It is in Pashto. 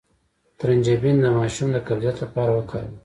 د ترنجبین د ماشوم د قبضیت لپاره وکاروئ